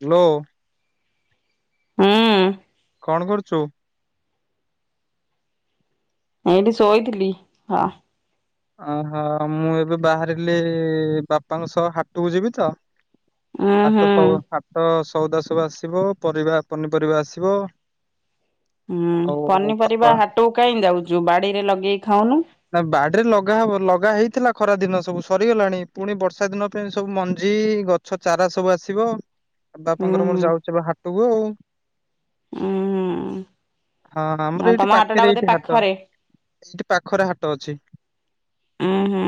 Hello. ହୁଁ କଣ କରୁଚୁ? ଏଇଠି ଶୋଇଥିଲି। ହଁ। ଓହୋ ମୁଁ ଏବେ ବାହାରିଲି ବାପାଙ୍କ ସହ ହାଟକୁ ଯିବି ତ ଉଁ ହୁଁ ହାଟ ତ ହାଟ ସଉଦା ସବୁ ଆସିବ। ପରିବା ପନିପରିବା ଆସିବ। ହୁଁ ଆଉ ପନିପରିବା ବାପା ହାଟକୁ କାହିଁ ଯାଉଛୁ ବାଡିରେ ଲଗେଇ ଖାଉନୁ। ନା ବାଡିରେ ଲଗା ହବ ଲଗା ହେଇଥିଲା ଖରା ଦିନ ସବୁ ସରିଗଲାଣି ପୁଣି ବର୍ଷା ଦିନ ପାଇଁ ସବୁ ମଞ୍ଜି ଗଛ ଚାରା ସବୁ ଆସିବ ଉଁ ବାପାଙ୍କର ହୁଁ ମୋର ଯାଉଛି ବା ହାଟକୁ। ଉଁ। ହଁ ଆମର ହୁଁ ଏଇଠି ତମ ହାଟଟା ପାଖରେ ବୋଧେ ଏଇଠି ହାଟ ପାଖରେ ଏଇଠି ପାଖରେ ହାଟ ଅଛି। ଉଁ ହୁଁ।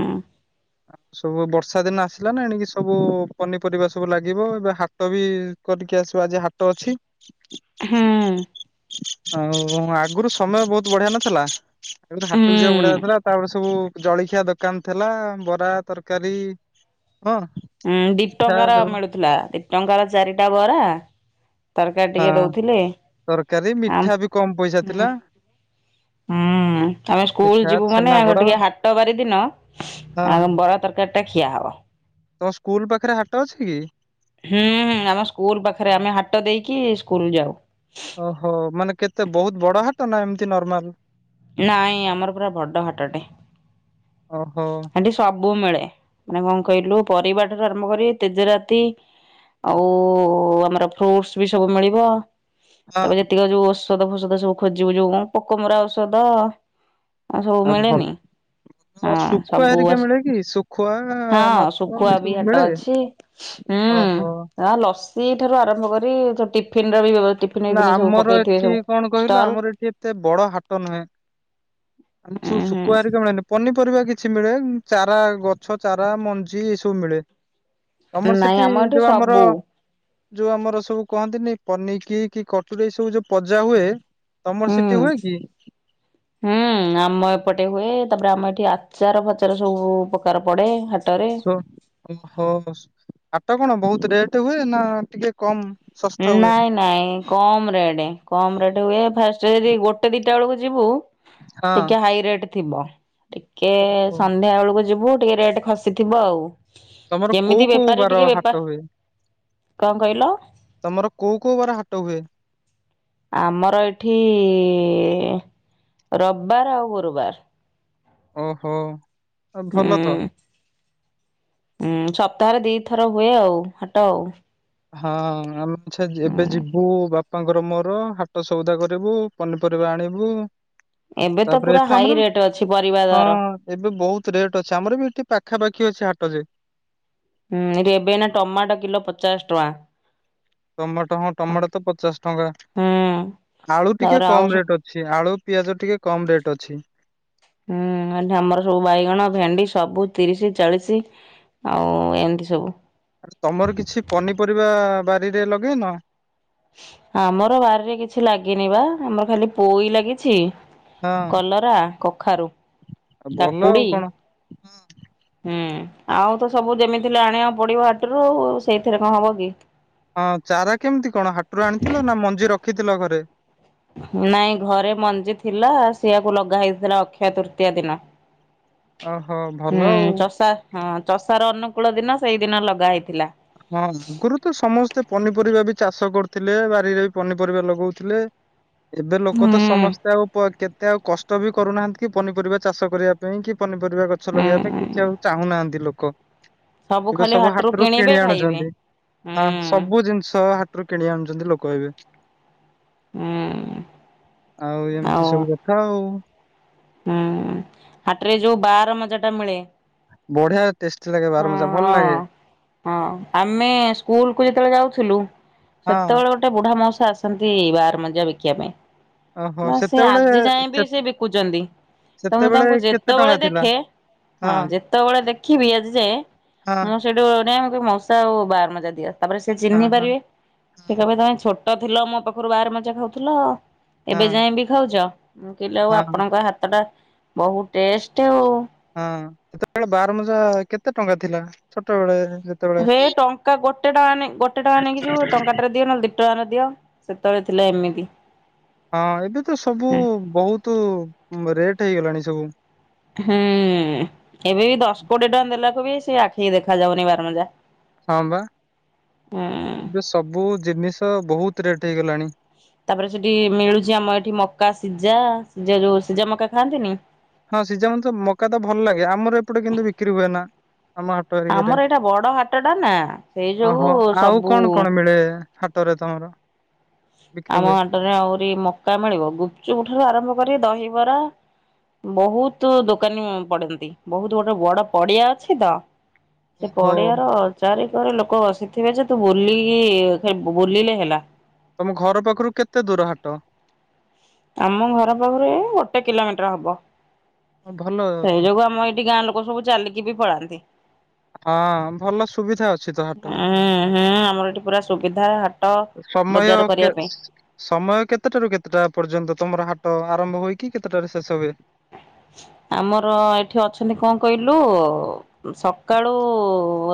ଆଉ ସବୁ ବର୍ଷା ଦିନ ଆସିଲା ନା ଏଣିକି ସବୁ ପନିପରିବା ସବୁ ଲାଗିବ ଏବେ ହାଟ ବି କରିକି ଆସିବା ଆଜି ହାଟ ଅଛି। ହୁଁ ଆଉ ଆଗରୁ ସମୟ ବହୁତ ବଢିଆ ନଥିଲା। ହାଟକୁ ହୁଁ ଯିବାକୁ ବଢିଆ ଲାଗୁଥିଲା। ତାପରେ ସେ ସବୁ ଜଳଖିଆ ଦୋକାନ ଥିଲା ବରା ତରକାରୀ ହଁ ହୁଁ ଦି ପିଠା ଟଙ୍କାର ର ସବୁ ମିଳୁଥିଲା। ଦି ଟଙ୍କାର ଚାରିଟା ବରା ତରକାରୀ ହଁ ଟିକେ ଦଉଥିଲେ। ତରକାରୀ ଆ ମିଠା ବି କମ ପଇସା ହୁଁ। ଥିଲା ହୁଁ ଆମେ ସ୍କୁଲ ମିଠା ଯିବୁ ମାନେ ଆଗ ଛେନାପୋଡ ଟିକେ ହାଟ ବାରି ଦିନ ହଁ ଆ ବର ତରକାରୀ ଏଟା ଖିଆ ହବ। ତମ ସ୍କୁଲ ପାଖରେ ହାଟ ଅଛି କି? ହୁଁ ହୁଁ ଆମ ସ୍କୁଲ ପାଖରେ ଆମେ ହାଟ ଦେଇକି ସ୍କୁଲ ଯାଉ। ଓହୋ। ମାନେ କେତେ ବହୁତ ବଡ ହାଟ ନା ଏମିତି ନର୍ମାଲ? ନାଇଁ ଆମର ପୁରା ବଡ ହାଟଟେ। ଓହୋ। ହେଠି ସବୁ ମିଳେ। ମାନେ କଣ କହିଲୁ ପରିବାର ଠାରୁୁ ଆରମ୍ଭ କରି ତେଜରାତି ଆଉ ଆମର ଫ୍ରୁଟସ ବି ସବୁ ମିଳିବ। ହଁ ତାପରେ ଯେତିକି ଯୋଉ ଔଷଧ ଫଷଧ ସବୁ ଖୋଜିବୁ ଯୋଉ କ ପୋକ ମରା ଔଷଧ। ଆ ସବୁ ଆଉ ଭଲ ମିଳେନି। ହଁ ଆଉ ଶୁଖୁଆ ସବୁ ହେରିକା ମିଳେ କି ଶୁଖୁଆ [inaudible] ହଁ ମାଛ ଶୁଖୁଆ ବି ଏସବୁ ହାଟ ମିଳେ ଅଛି ହୁଁ। [inaudible] ଓହୋ ହୁଁ ଆ ଲସି ଠାରୁ ଆରମ୍ଭ କରି ଟିଫିନ୍ ର ବି ବ୍ୟବ ନା ଆମର ଏଠି କଣ କହିଲ ଆମର ଏଠି ଏତେ ବଡ ହାଟ ନୁହେଁ। ଆମର ସବୁ ଉଁ ହୁଁ ଶୁକୁଆ ହରିକା ମିଳେନି ପନି ପରିବା କିଛି ମିଳେ ଚାରା ଗଛ ଚାରା ମଞ୍ଜି ଏଇ ସବୁ ମିଳେ। ତମର ନାଇଁ ସେଠି ଆମ ଏଠି ଯୋଉ ଆମର ସବୁ ଯୋଉ ଆମର ସବୁ କହନ୍ତିନି ପନିକି କି କଟୁରୀ ଏଇ ସବୁ ଯୋଉ ପଜା ହୁଏ ତମର ହୁଁ ସେଠି ହୁଏ କି [inaudible] ହୁଁ ଆମ ଏପଟେ ହୁଏ ତାପରେ ଆମ ଏଠି ଆଚାର ଫାଚାର ସବୁ ପ୍ରକାର ପଡେ ହା ଶୁଣ ଓହୋ ହାଟ କଣ ବହୁତ ରେଟ୍ ହୁଏ ନା ଟିକେ କମ୍ ନାଇଁ ନାଇଁ କମ୍ ରେଟ୍। କମ୍ ରେଟ୍ ହୁଏ ଫାଷ୍ଟ ଯଦ ଗୋଟେ ଦିଟା ବେଳକୁ ଯିବୁ ହଁ ଟିକେ ହାଇ ରେଟ୍ ଥିବ ଟିକେ ଓହୋ ସନ୍ଧ୍ୟାବେଳୁକୁ ଯିବୁ ଟିକେ ରେଟ୍ ଖସିଥିବ ଆଉ। ତମର କୋଉ କେମିତି କୋଉ ବେପାରୀ ବାର ଟିକେ ହାଟ ହୁଏ? ବେପାର କଣ କହିଲ? ତମର କୋଉ କୋଉ ବାର ହାଟ ହୁଏ? ଆମର ଏଠି ରବିବାର ଆଉ ଗୁରୁବାର। ଓ ହୋ ହୁଁ। ଭଲ ତ। ହୁଁ ସପ୍ତାହରେ ଦିଥର ହୁଏ ଆଉ ହାଟ ଆଉ। ହଁ ଆମେ ଯେବେ ହୁଁ ଯିବୁ ବାପ ବାପାଙ୍କର ମୋର ହାଟ ସଉଦା କରିବୁ ପନିପରିବା ଆଣିବୁ। ଏବେ ତ ତାପରେ ପୁରା ଏଠୁ ହାଇ ଆମର ରେଟ୍ ଅଛି। ପରିବା ହଁ ଦର। ଏବେ ବହୁତ ରେଟ୍ ଅଛି ଆମର ବି ଏଠି ପାଖାପାଖି ଅଛି ହାଟ ଯେ ହୁଁ ଏବେ ନା ଟମାଟୋ କିଲୋ ପଚାଶ ଟଙ୍କା। ଟମାଟ ହଁ ଟମାଟ ତ ପଚାଶ ଟଙ୍କା ହୁଁ ଆଳୁ ଟିକେ ତାପରେ ଆଉ ସ କମ ରେଟ୍ ଅଛି ଆଳୁ ପିଆଜ ଟିକେ କମ ରେଟ୍ ଅଛି। ହୁଁ ଏଠି ଆମର ସବୁ ବାଇଗଣ ଭେଣ୍ଡି ସବୁ ତିରିଶ ଚାଳିଶି ଆଉ ଏମିନ୍ତି ସବୁ ଆ ତମର କିଛି ପନିପରିବା ବାରିରେ ଲଗେଇନ? ଆମର ବାରିରେ କିଛି ଲାଗିନି ବା ଆମର ଖାଲି ପୋଇ ଲାଗିଛି। ହଁ ଆଉ କଲରା, କଖାରୁ, ଭଲ ଆଉ କାକୁଡି କଣ ହୁଁ ଆଉ ତ ସବୁ ଯେମିତି ହେଲେ ଆଣିଆକୁ ପଡିବ ହାଟରୁ ସେଇଥିରେ କଣ ହବ କି? ହଁ ଚାରା କେମିତି କଣ ହାଟରୁ ଆଣିଥିଲ ନା ମଞ୍ଜି ରଖିଥିଲ ଘରେ? ନାଇଁ ଘରେ ମଞ୍ଜି ଥିଲା ସେଇଆକୁ ଲଗା ହେଇଥିଲା ଅକ୍ଷୟ ତୃତୀୟା ଦିନ। ଓହୋ [inaudible] ଭଲ ହୁଁ ଆଉ ଚଷା ହଁ ଚଷାର ଅନୁକୂଳ ଦିନ ସେଇଦିନ ଲଗା ହେଇ ହଁ ଆଗରୁ ତ ସମସ୍ତେ ପନି ପରିବା ବି ଚାଷ କରିଥିଲେ ବାରିରେ ବି ପନିପରିବା ଲଗଉଥିଲେ। ଏବେ ହୁଁ ଲୋକ ତ ସମସ୍ତେ ଆଉ କେତେ ଆଉ କଷ୍ଟ ବି କରୁନାହାନ୍ତି କି ପନିପରିବା ଚାଷ କରିବା ପାଇଁ କି ପନିପରିବା ଗଛ ଲଗେଇବା ପାଇଁ ହୁଁ କିଛି ଆଉ ଚାହୁଁନାହାନ୍ତି ଲୋକ। ସବୁ ଖାଲି ହାଟରୁ କିଣି କିଣି ଆଣୁଛନ୍ତି। ହଁ ସବୁ ଜିନିଷ ହାଟୁରୁ କିଣି ଆଣୁଛନ୍ତି ଲୋକ ଏବେ। [inaudible] ହୁଁ ଆଉ ଏମତି ସବୁ କଥା ଆଉ ହୁଁ ହାଟରେ ଯୋଉ ବାହାର ମଜା ଟା ମିଳେ। ବଢିଆ ଟେଷ୍ଟି ଲାଗେ ହଁ ବାରମଜା ଭଲ ହଁ ଲାଗେ ହଁ ଆମେ ସ୍କୁଲକୁ ଯେତେବେଳେ ଯାଉଥିଲୁ ହଁ ସେତବଳେ ଗୋଟେ ବୁଢା ମାଉସା ଆସନ୍ତି ବାର ମଜା ବିକିବା ପାଇଁ। ଓହୋ ନା ସେ ସେତେବେଳେ ଆଜି ଯାଏ ବି ସେ ବିକୁଚନ୍ତି। ତ ମୁଁ ସେତେବେଳେ ତାଙ୍କୁ କେତେ ଯେତେବେଳେ ଟଙ୍କା ଥିଲା ଦେଖେ ହଁ ଯେତବଳେ ଦେଖିବି ଆଜି ଯାଏ ହଁ ମୁଁ ସେଇଠୁ କିଣିବି ମୁଁ କହିବି ମଉସା ଆଉ ବାର ମଜା ଦିଅ ତାପରେ ସେ ହଁ ଚିହ୍ନି ହଁ ପାରିବେ ସେ କହିବେ ହେ ଛୋ ଟ ଥିଲ ମୋ ପାଖରୁ ବାଆର ମଜା ଖାଉଥିଲ, ଏବେ ହଁ ଯାଏଁ ବି ଖାଉଚ। ମୁଁ କଇଲି ଆଉ ହଁ ଆପଣଙ୍କ ହା ଟା ବହୁତ୍ ଟେଷ୍ଟ ଉ ହଁ ସେତେବେଳେ ବାଆରମଜା କେତେ ଟଙ୍କା ଥିଲା ଛୋଟବେଳେ? ଯେତେବେଳେ ହେ ଟଙ୍କା ଗୋଟେ ଟଙ୍କା ଗୋଟେ ଟଙ୍କା ନେଇକି ଯିବୁ ଟଙ୍କା ଟାରେ ଦିଅ ନହଲେ ଦି ଟଙ୍କା ରେ ଦିଅ ସେତେବେଳେ ଥିଲା ଏମିତି। ହଁ ଏବେ ତ ସବୁ ହୁଁ। ବହୁତୁ ରେଟ୍ ହେଇଗଲାଣି ସବୁ। ହୁଁ ଏବେ ବି ଦଶ୍ କୋଡିଏ ଟଙ୍କା ଦେଲାକୁ ବି ସେ ଆଖିକି ଦେଖା ଯାଉନି ବାରମଜା। ହଁ ବା ହୁଁ। ଏବେ ସବୁ ଜିନିଷ ବହୁତ୍ ରେଟ ହେଇଗଲାଣି। ତାପରେ ସେଠି ମିିଳୁଚି ଆମ ଏଠି ମକା ସିଜା, ସିଜା ଯୋଉ ସିଜା ମକା ଖାଆନ୍ତିନି। ହଁ ସିଜାମ ତ ମକା ତ ଭଲ୍ ଲାଗେ, ଆମର ଏପଟେ କିନ୍ତୁ ବିକ୍ରି ହୁଏ ନା। ଆମ ହାଟ ଏରିକେଟେ ଆମର ଏଇଟା ବଡ ହାଟ ଟା ନା ସେଇ ଯୋଗୁ ଅହୋ ଆଉ ସବୁ କଣ୍ କଣ୍ ମିଳେ ହାଟରେ ତମର? ବିକ୍ରି ଆମ ହୁଏ ହାଟରେ ଆହୁରି ମକା ମିଳିବ, ଗୁପଚୁପୁ ଠାରୁ ଆରମ୍ଭ କରି ଦହିବରା ବହୁତୁ ଦୋକାନୀ ପଡନ୍ତି, ବହୁତ ଗୋଟେ ବଡ ପଡିଆ ଅଛି ତ ସେ ଓହୋ ପଡେଆର ଚାରି ଘରେ ଲୋକ ବସିଥିବେ ଯେ ତୁ ବୁଲି ଏ ବୁଲିଲେ ହେଲା। ତମ ଘର ପାଖୁରୁ କେତେ ଦୂର ହାଟ? ଆମ ଘର ପାଖୁରୁ ଏ ଗୋଟେ କିଲମିଟର ହବ ଓ, ଭଲ ସେଇ ତ। ଯୋଗୁ ଆମ ଏଠି ଗାଁ ଲୋକ ସବୁ ଚାଲିକି ବି ପଳାନ୍ତି। ହଁ ଭଲ ସୁବିଧା ଅଛି ତ ହଟ। ହୁଁ ହୁଁ ଆମର ଏଠି ପୁରା ସୁବିଧା ହା ସମୟ କେ ସମୟ କେତେଟାରୁ କେତେଟା ପର୍ଯ୍ୟନ୍ତ ତମର ହାଟ ଆରମ୍ଭ ହୋଇକି, କେତେଟାରେ ଶେଷ ହୁଏ? ଆମର ଏଠି ଅଛନ୍ତି, କଁ କଇଲୁ ସକାଳୁ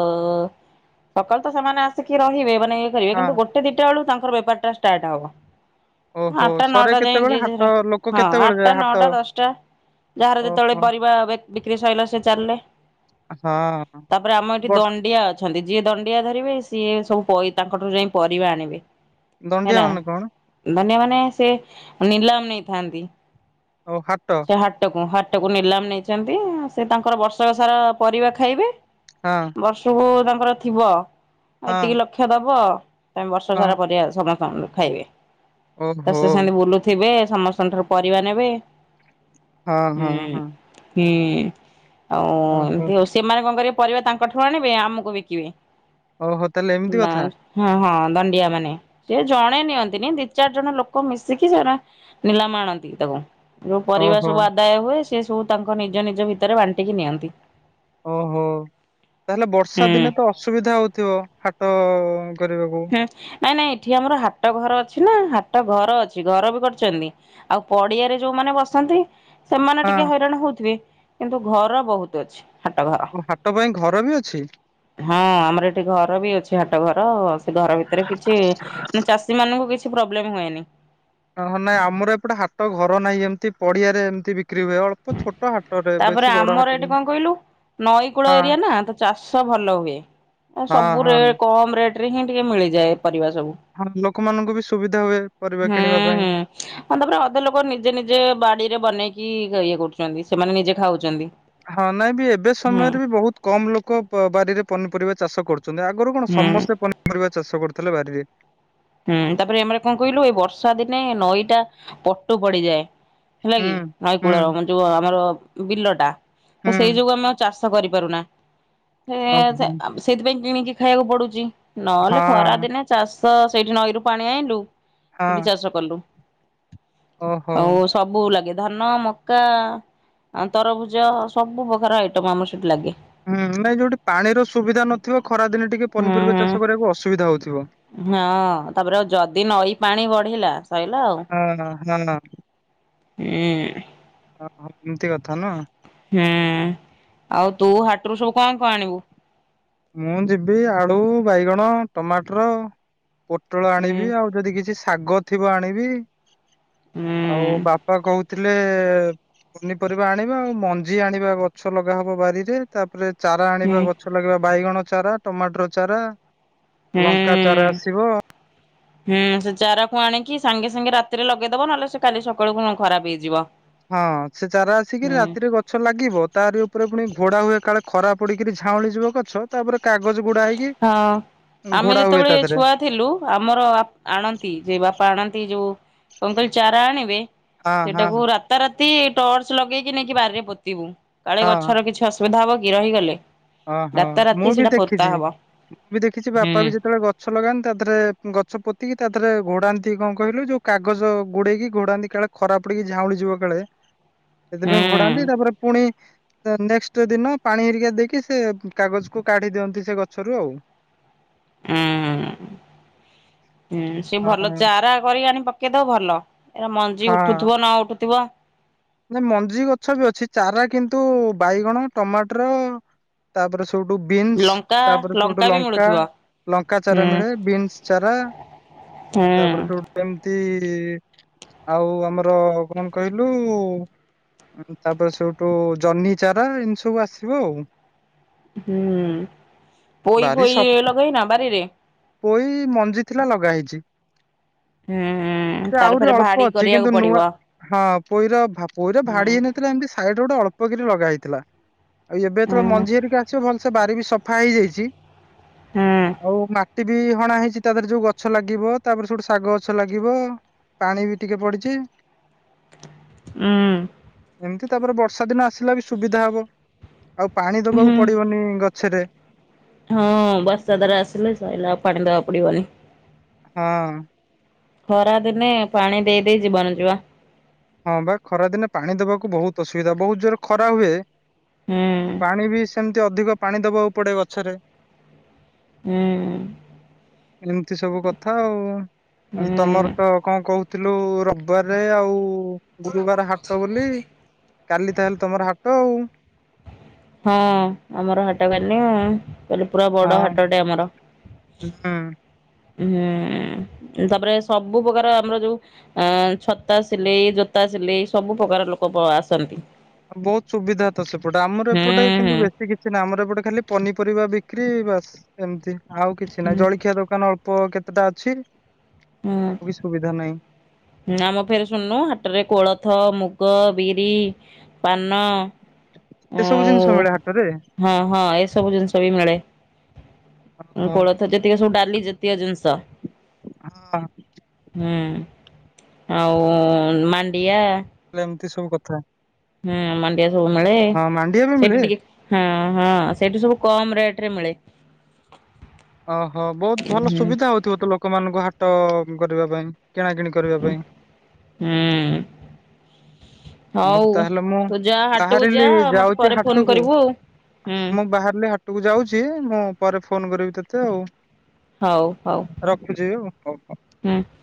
ଅ ସକାଳୁ ତ ସେମାନେ ଆସିକି ରହିବେ ନାଇଁ ୟେ କରିବେ ହଁ କିନ୍ତୁ ଗୋଟେ ଦିଟା ବେଳ ତାଙ୍କର ବେପାର ଟା ଷ୍ଟାର୍ଟ ହବ ଓହୋ ଆଟା ସରେ ନଅଟା ଯାଇ କେତେବେଳେ ହାଟ [unintelligible] ଲୋକ ହଁ କେତେବେଳେ ଆଟା ଯାଏ ହାଟ ନଅଟା ଦଶ୍ ଟା ବାହାର ଯେତେବେଳେ ଓହୋ ପରିବା ବ ବିକ୍ରି ସରିଲା ସେ ଚାଲ୍ ଲେ ହଁ ତାପରେ ଆମ ଏଠି ବର୍ଷ ଦଣ୍ଡିଆ ଅଛନ୍ତି ଯିଏ ଦଣ୍ଡିଆ ଧରିବେ ସିଏ ସବୁ ପଇ ତାଙ୍କଠରୁ ଯାଇ ପରିବା ଆଣିବେ। ଦଣ୍ଡିଆ ମାନେ କଣ? ନେ ସେ ନିଲାମ୍ ନେଇଥାନ୍ତି। ଓ ହାଟ ହୁଁ ହାଟକୁ ନିଲାମ୍ ନେଇଛନ୍ତି, ସେ ତାଙ୍କର ବର୍ଷକ ସାରା ପରିବା ଖାଇବେ ହଁ ବର୍ଷୁକୁ ତାଙ୍କର ଥିବ ହଁ ଏତିକି ଲକ୍ଷ ଦବ ତମେ ବର୍ଷ ହଁ ସାରା ପରିବା ସମସ୍ତଙ୍କ ଟୁ ଖାଇବେ ତ ଓହୋ ସେ ସେମିତି ବୁଲୁଥିବେ ସମସ୍ତଙ୍କ ଠାରୁ ପରିବା ନେବେ, ହଁ ହଁ ହଁ ହୁଁ-ହୁଁ। ଆଉ ଓହୋ ଏମିତି ହଉ ସେମାନେ କଣ କରିବେ ପରିବା ତାଙ୍କ ଠାରୁ ଆଣିବେ, ଆମୁକୁ ବିକିବେ ଓହୋ ତାହେଲେ ଏମିତି ନା କଥା ହଁ-ହଁ। ଦଣ୍ଡିଆ ମାନେ ସେ ଜଣେ ନିଅନ୍ତିନି ଦି ଚାର୍ ଜଣ ଲୋକ ମିଶିକି ସେରା ନିଲାମ ଆଣନ୍ତି ତାକୁ ଯୋଉ ପରିବା ଓହୋ ସବୁ ଆଦାୟ ହୁଏ, ସେ ସବୁ ତାଙ୍କ ନିଜ ନିଜ ଭିତରେ ବାଣ୍ଟିକି ନିଅନ୍ତି। ଓହୋ ତାହେଲେ ହୁଁ ବର୍ଷା ଦିନେ ତ ଅସୁବିଧା ହଉଥିବ ହାଟ କରିବାକୁ ହୁଁ ନାଇଁ ନାଇଁ ଏଠି ଆମର ହାଟ ଘର ଅ ଛି ନା ହାଟ ଘର ଅଛି, ଘର ବି କର୍ଚନ୍ତି ଆଉ ପଡିଆରେ ଯୋଉମାନେ ବସନ୍ତି ସେମାନେ ହଁ ଟିକେ ହଇରାଣ ହଉଥିବେ କିନ୍ତୁ ଘର ବହୁତ ଅଛି ହାଟ ଘର ଓ ହାଟ ପାଇଁ ଘର ବି ଅଛି ହଁ ଆମର ଏଠି ଘର ବି ଅଛି ହାଟ ଘର ସେ ଘର ଭିତରେ କିଛି ଚାଷୀ ମାନଙ୍କୁ କିଛି ପ୍ରୋବ୍ଲେମ ହୁଏନି। ହ ନାଇଁ ଆମର ଏପଟେ ହାଟ ଘର ନାଇ ଏମତି ପଡିଆରେ ଏମତି ବି କ୍ରି ହୁଏ ଅଳ୍ପ ଛୋଟ ହାଟରେ ତାପରେ ବେଶୀ ବଡ ଆମର ହାଟ ଏଠି କଣ କହିଲୁ ନଈ କୂଳ ଏରିଆ ନା ତ ଚାଷ ଭଲ ହୁଏ ହଁ ହଁ ସବୁ ରେ ହଁ କମ୍ ରେଟ। ଟିକେ ମିଳିଯାଏ। ପରିବା ସବୁ। ହଁ ଲୋକମାନଙ୍କୁ ବି ସୁବିଧା ହୁଏ। ପରିବା ହୁଁ କିଣିବା ପାଇଁ। ହୁଁଉ ତାପରେ ଅଧ ଲୋକ ନିଜେ ନିଜେ ବାଡିରେ ବନେଇକି ଖାଇବାକୁ କରୁଛନ୍ତି ସେମାନେ ନିଜେ ଖାଉଛନ୍ତି। ହଁ ନାଇଁ ବି ଏବେ ହୁଁ ସମୟରେ ବି ବହୁତ କମ ଲୋକ ବାରିରେ ପନିପରିବା ଚାଷ କରୁଛନ୍ତି। ଆଗରୁ କଣ ହୁଁ ସମସ୍ତେ ପନିପରିବା ଚାଷ କରୁଥିଲେ ବାରିରେ। ହୁଁ ତାପରେ ଏମାନେ କଣ କହିଲୁ ଏଇ ବର୍ଷା ଦିନେ ନଈଟା ପଟୁ ପଡିଯାଏ। ହେଲା କି ହୁଁ, ନଈକୂଳ ହୁଁ, ର ଯୋଉ ଆମର ବିଲ ଟା ତ ସେଇ ହୁଁ, ଯୋଗୁ ଆମ ଚାଷ କରିପାରୁନା ଓହୋ! ସେଥିପାଇଁ କିଣିକି ଖାଇବାକୁ ପଡୁଛି। ନହେଲେ ଖରା ହଁ, ଦିନେ ଚାଷ ସେଇଠି ନଈରୁ ପାଣି ଆଣିଲୁ ହଁ, ସେଠି ଚାଷ କଲୁ। ଓହୋ! ଓଉ ସବୁ ଲାଗେ। ଧାନ ମକା ତରଭୁଜ ସବୁ ପ୍ରକାର ଆଇଟମ ଆମର ସେଠି ଲାଗେ। ହୁଁ ନାଇଁ ଯୋଉଠି ପାଣିର ସୁବିଧା ନଥିବ ଖରାଦିନେ ଟିକେ ହୁଁ ପନିପରିବା ଚାଷ କରିବାକୁ ଅସୁବିଧା ହଉଥିବ। ହଁ ତାପରେ ଆଉ ଯଦି ନଈ ପାଣି ବଢିଲା ସରିଲା ଆଉ। ହଁ, ହଁ। ହୁଁ। ଓହୋ ଏମିତି କଥା ନା। ହୁଁ ଆଉ ତୁ ହାଟରୁ ସବୁ କଣ କଣ ଆଣିବୁ? ମୁଁ ଯିବି ଆଳୁ ବାଇଗଣ ଟମାଟର ପୋଟଳ ହୁଁ ଆଣିବି ଆଉ ଯଦି କିଛି ଶାଗ ଥିବ ଆଣିବି। ହୁଁ ଆଉ ବାପା କହୁ ଥିଲେ ପନିପରିବା ଆଣିବା ଆଉ ମଞ୍ଜି ଆଣିବା ଗଛ ଲଗାହବ ବାରିରେ ତା ତାପରେ ଚାରା ହୁଁ ଆଣିବା ଗଛ ଲାଗିବା ବାଇଗଣ ଚାରା ଟମାଟର ଚାରା। ହୁଁ। ଲଙ୍କା ଚାରା ଆସିବ। ହୁଁ ସେ ଚାରାକୁ ଆଣିକି ସାଙ୍ଗେ ସାଙ୍ଗେ ରାତିରେ ଲଗେଇଦବ ନହେଲେ ସେ କାଲି ସକାଳୁ ଖରାପ ହେଇଯିବ। ହଁ ସେ ଚାରା ଆସିକି ହୁଁ ରାତିରେ ଗଛ ଲାଗିବ ତାରି ଉପରେ ପୁଣି ଘୋଡା ହୁଏ ସକାଳେ ଖରା ପଡିକିରି ଝାଉଁଳି ଯିବ ଗଛ ତାପରେ କାଗଜ ଗୁଡା ହେଇକି ହଁ। ଆମେ ଘୋଡା ହୁଏ ତା ଯେତେବେଳେ ଦେହରେ ଛୁଆ ଥିଲୁ ଆମର ଆଣନ୍ତି ଯେ ବାପା ଆଣନ୍ତି ଯୋଉ କଣ କହିଲି ଚାରା ଆଣିବେ ହଁ ହଁ ସେଇଟାକୁ ରାତାରାତି ଟର୍ଚ ଲଗେଇକି ନେଇକି ବାରିରେ ପୋତିବୁ। କାଳେ ଗଛର କିଛି ଅସୁବିଧା ହବ କି ରହିଗଲେ। ଓ ହଁ ରାତାରାତି ମୁଁ ବି ସେଇଟା ଦେଖି ପୋତା ହବ। ମୁଁ ବି ଦେଖିଛି ହୁଁ ବାପା ବି ଯେତେବେଳେ ଗଛ ଲଗାନ୍ତି ତା ଦେହରେ ଗଛ ପୋତିକି ତାଥରେ ଘୋଡ଼ାନ୍ତି କଣ କହିଲୁ ଯୋଉ କାଗଜ ଘୋଡେଇକି ଘୋଡାନ୍ତି କାଳେ ଖରାପ ପଡିକି ଝାଉଳି ଯିବ କୋଳେ ହୁଁ ସେଥିପାଇଁ ଘଡାନ୍ତି ତାପରେ ପୁଣି ନେକ୍ସଟ ଦିନ ପାଣି ହେରିକି ଦେଇକି ସେ କାଗଜକୁୁ କାଢି ଦିଅନ୍ତି ସେ ଗଛରୁ ଆଉ। ହୁଁ। ହୁଁ ସେ ହଁ ଭଲ ଚାରା କରିକି ଆଣି ପକେଇ ଦବ ଭଲ। ମଞ୍ଜି ହଁ। ଉଠୁଥିବ ନ ଉଠୁଥିବ। ନା ମଞ୍ଜି ଗଛ ବି ଅଛି ଚାରା କିନ୍ତୁ ବାଇଗଣ ଟମାଟର ତାପରେ ସୋଉଠୁ ବିନ୍ସ ଲଙ୍କା ତାପରେ ସୋଉଠୁ ବି ଲଙ୍କା ମିଳୁଥିବ। ଲଙ୍କା ହୁଁ ଚାରା ମିଳେ ବିନ୍ସ ଚାରା ହୁଁ ତାପରେ ସେଉଠୁ ଆଉ ଆମର କଣ କହିଲୁ ତାପରେ ସେଇଠୁ ଜହ୍ନି ଚାରା ଏମିତି ସବୁ ଆସିବ ଆଉ। ହୁଁ ପୋଇ ଫୋଇ ଲଗେଇନ ବାରିରେ। ପୋଇ ମଞ୍ଜି ଥିଲା ଲଗା ହେଇଛି। ହୁଁ ସେ ତାର ଆହୁରି ଫେରେ ଭାଡି ଅଳ୍ପ ଅଛି କରିବାକୁ କିନ୍ତୁ ପଡିବ। ନୂଆ ହଁ ପୋଇର ଭାବ। ହୁଁ ଭାଡି ହେଇନଥିଲା ଏମତି ସାଇଡ ଗୋଟେ ଅଳ୍ପ କରି ଲଗା ହେଇଥିଲା ଆଉ ଏବେ ଯେତେବେଳେ ହୁଁ ମଞ୍ଜି ହରିକା ଆସିବ ଭଲ ସେ ବାରି ବି ସଫା ହେଇଯାଇଛି ହୁଁ ଆଉ ମାଟି ସେଠି ହଣା ହେଇଛି ତା ପରେ ଯୋଉ ଗଛ ଲାଗିବ ତାପରେ ସେଇଠୁ ଶାଗ ଗଛ ଲାଗିବ। ପାଣି ବି ଟିକେ ପଡିଚି। ଉଁ। ଏମିତି ତାପରେ ବର୍ଷା ଦିନ ଆସିଲା ବି ସୁବିଧା ହବ ଆଉ ପାଣି ଦବାକୁ ହୁଁ। ପଡିବନି ଗ ଛେ ରେ। ହଁ ବର୍ଷା ଧାର ଆସିଲେ ସଇଲା ଆଉ ପାଣି ଦବାକୁ ପଡିବନି। ହଁ। ଖରା ଦିନେ ପାଣି ଦେଇ ଦେଇେ ଜୀବନ ଯିବ। ହଁ ବା ଖରା ଦିନେ ପାଣି ଦବାକୁ ବହୁତ ଅସୁବିଧା ବହୁତ ଜୋର ଖରା ହୁଏ। ହୁଁ ପାଣି ବି ସେମିତି ଅଧିକ ପାଣି ଦବାକୁ ପଡେ ଗଛରେ। ହୁଁ। ଏମିତି ସବୁ କଥା ଆଉ ଆଉ ତମର ହୁଁ ତ କଣ କହୁ ଥିଲୁ ରବିବାରରେ ଆଉ ଗୁରୁବାର ହାଟ ବୋଲି। କାଲି ତାହେଲେ ତମର ହାଟ ଆଉ। ହଁ ଆମର ହାଟ କାଲି ଆଉ କାଲି ପୁରା ବଡ ହଁ। ହାଟଟେ ଆମର। ହୁଁ। ହୁଁ ତାପରେ ସବୁ ପ୍ରକାର ଆମର ଯୋଉ ଆଁ ଛତା ସିଲେଇ ଜୋତା। ସିଲେଇ ସବୁ ପ୍ରକାର ଲୋକ ବ - ଆସନ୍ତି। ବହୁତ ସୁବିଧା ତ ସେପଟେ ଆମର ହୁଁ ଏପଟେ ହୁଁ କିନ୍ତୁ ବେଶୀ କିଛି ନାହିଁ ଆମର ଏପଟେ ଖାଲି ପନିପରିବା ବି କ୍ରି ବାସ ଏମିତି ଆଉ କିଛି ନାହିଁ ହୁଁ ଜଳଖିଆ ଦୋକାନ ଅଳ୍ପ କେତେଟା ଅଛି। ହୁଁ। ଆଉ କିଛି ସୁବିଧା ନାହିଁ। ଆମ ଫେର ଶୁଣୁନୁ ହାଟରେ କୋଳଥ ମୁଗ ବିରି ପାନ। ଏତେ ସବୁ ଜିନିଷ ଆଉ ମିଳେ ହାଟରେ ହଁ ହଁ ଏସବୁ ଜିନିଷ ବି ମିଳେ। ଓହୋ କୋଳଥ ଯେତିକ ସବୁ ଡାଲି ଜାତିଅ ଜିନିଷ। ହଁ। ହୁଁ ଆଉ ମାଣ୍ଡିଆ। ଏଲେ ଏମିତି ସବୁ କଥା। ହୁଁ ମାଣ୍ଡିଆ ସବୁ ମିଳେ ହଁ ମାଣ୍ଡିଆ ବି ମିଳେ? ସେଇଠି ଟିକେ ହଁ। ହଁ ସେଇଠୁ ସବୁ କମ୍ ରେଟ ରେ ମିଳେ। ଓହୋ ବହୁତ ଭଲ ହୁଁ ସୁବିଧା ହଉଥିବ ତ ଲୋକମାନଙ୍କୁ ହାଟ କରିବା ପାଇଁ। କିଣା କିଣି କରିବା ପାଇଁ। ହୁଁ ମୁଁ ହଉ ତାହେଲେ ମୁଁ ତୁ ଯା ହାଟକୁ ଯା ବାହାରିଲି ମତେ ଯାଉଛି ପରେ ଫୋନ ହାଟକୁ। କରିବୁ ଆଉ ହଁ ହୁଁ ମୁଁ ବାହାରିଲି ହାଟକୁ ଯାଉଛି ମୁଁ ପରେ ଫୋନ କରିବି ତତେ ଆଉ। ହଉ ହଉ ରଖୁଛି ହଉ ହଉ। ହୁଁ